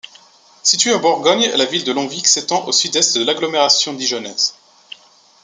Située en Bourgogne, la ville de Longvic s'étend au sud-est de l'agglomération dijonnaise.